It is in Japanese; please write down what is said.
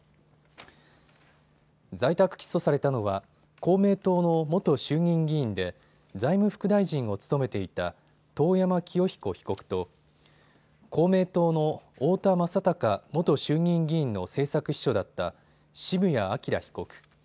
在宅起訴されたのは公明党の元衆議院議員で財務副大臣を務めていた遠山清彦被告と公明党の太田昌孝元衆議院議員の政策秘書だった澁谷朗被告。